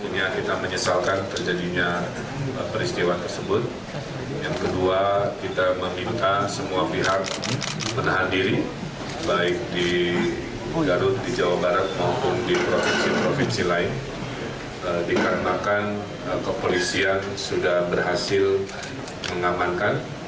di provinsi provinsi lain dikarenakan kepolisian sudah berhasil mengamankan